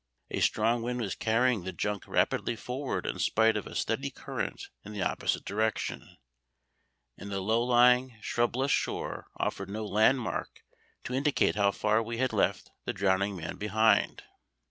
A strong wind was carrying the junk rapidly forward in spite of a steady current in the opposite direction, and the low lying, shrubless shore afforded no landmark to indicate how far we had left the drowning man behind.